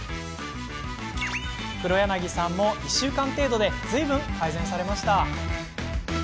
畔柳さんも１週間程度でずいぶん改善されました。